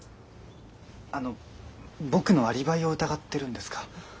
あの僕のアリバイを疑ってるんですか？